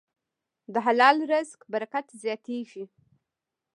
د حلال رزق برکت زیاتېږي.